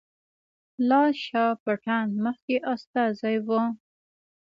لال شاه پټان مخکې استازی وو.